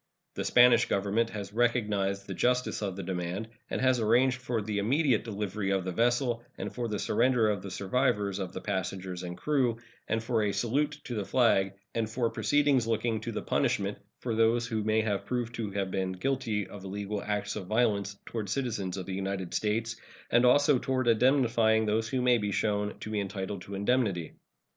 The Spanish Government has recognized the justice of the demand, and has arranged for the immediate delivery of the vessel, and for the surrender of the survivors of the passengers and crew, and for a salute to the flag, and for proceedings looking to the punishment of those who may be proved to have been guilty of illegal acts of violence toward citizens of the United States, and also toward indemnifying those who may be shown to be entitled to indemnity.